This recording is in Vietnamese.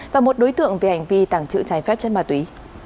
và một đối tượng về hành vi tàng trữ trái phép chất ma túy